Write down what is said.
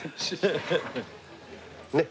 ねっ。